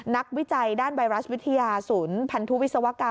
วิจัยด้านไวรัสวิทยาศูนย์พันธุวิศวกรรม